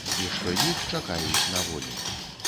І што іх чакаюць на волі.